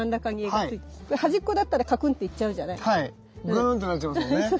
グーンってなっちゃいますもんね。